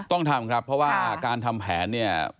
ต้องทำครับเพราะว่าการทำแผนเนี่ย